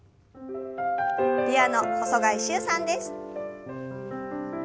ピアノ細貝柊さんです。